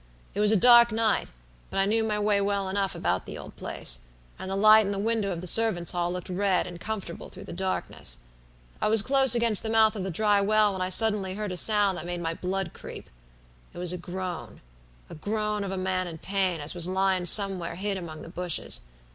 It was a dark night, but I knew my way well enough about the old place, and the light in the window of the servants' hall looked red and comfortable through the darkness. I was close against the mouth of the dry well when I heard a sound that made my blood creep. It was a groana groan of a man in pain, as was lyin' somewhere hid among the bushes.